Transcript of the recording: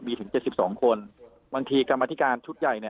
มีถึง๗๒คนบางทีกรรมธิการชุดใหญ่เนี่ย